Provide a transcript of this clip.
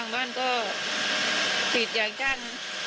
บ้านก็สีดยางกั้น